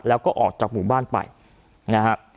แล้วก็ออกจากหมู่บ้านไปนะฮะ